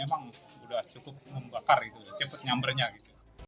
terusanas untuk membangun semuanya berbentuk berwarna biru